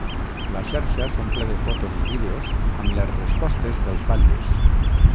La xarxa s'omple de fotos i vídeos amb les respostes dels batlles